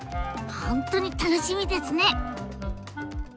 本当に楽しみですね！